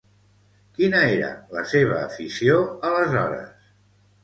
Quina era la seva afició aleshores?